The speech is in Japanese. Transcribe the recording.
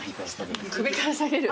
首から提げる。